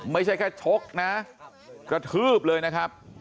ไม่ใช่แค่ชกนะกระทืบเลยนะครับ